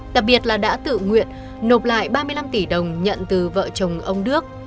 đặc biệt là đã tự nguyện nộp lại ba mươi năm tỷ đồng nhận từ vợ chồng ông đức